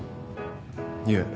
いえ。